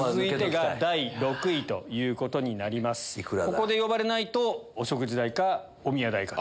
ここで呼ばれないとお食事代かおみや代か。